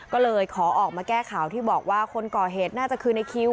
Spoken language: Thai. ก็เลยขอออกมาแก้ข่าวที่บอกว่าคนก่อเหตุน่าจะคือในคิว